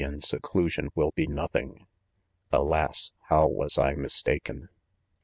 and seclusion will be nothing. . Alas ! how was I mistaken! 5 "..